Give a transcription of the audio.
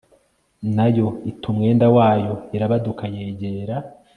na yo ita umwenda wayo irabaduka yegera